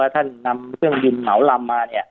ท่านนำเครื่องบินเหมาลำมา